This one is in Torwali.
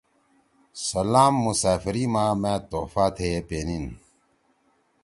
سلام مسافری ما مأ تحفہ تھیئے پے نیِن